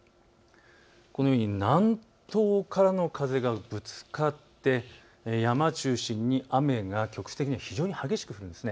このように南東からの風がぶつかって山を中心に雨が局地的に非常に激しくなるんです。